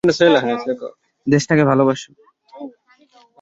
দেশটাকে ভালোবাসো না তোমরা?